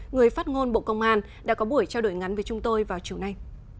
người phát ngôn bộ công an đã có buổi trao đổi ngắn với chúng tôi vào chiều nay